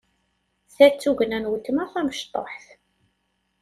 Ta d tugna n weltma tamecṭuḥt.